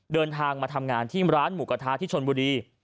เดินทางมาทำงานที่ร้านหมูกระทะที่ชนบุรี